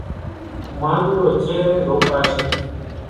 مانڏوُئو چيرين روپاشيَ۔